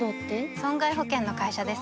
損害保険の会社です